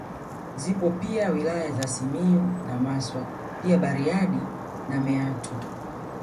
Zipo pia wilaya za Simiyu na Maswa pia Bariadi na Meatu